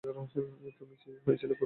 তুমি হয়েছিল কোথায়?